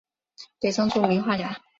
北宋著名画家。